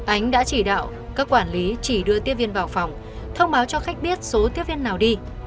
ánh đã chỉ đạo các quản lý chỉ đưa tiếp viên vào phòng thông báo cho khách biết số tiếp viên nào đi